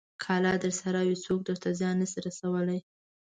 که الله درسره وي، څوک درته زیان نه شي رسولی.